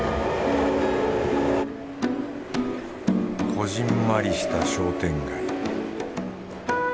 こぢんまりした商店街。